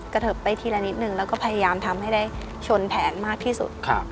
เทิบไปทีละนิดนึงแล้วก็พยายามทำให้ได้ชนแผนมากที่สุด